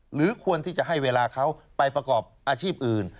หรือควรที่จะให้เวลาเขาไปประกอบอาชีพอื่น